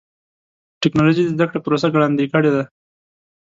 ټکنالوجي د زدهکړې پروسه ګړندۍ کړې ده.